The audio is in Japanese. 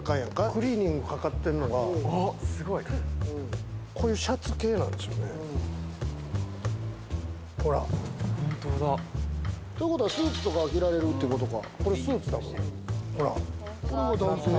クリーニングかかってるのがこういうシャツ系なんですよね。ということは、スーツとかをきられるってことか。